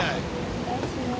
お願いします。